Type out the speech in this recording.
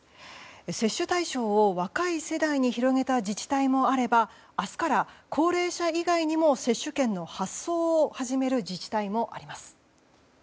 接種対象を若い世代に広げた自治体もあれば明日から高齢者以外にも接種券の発送を始める自治体もあります。